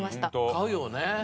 買うよね。